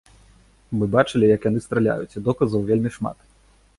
Мы бачылі, як яны страляюць, і доказаў вельмі шмат.